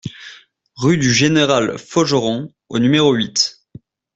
Rue du Général Faugeron au numéro huit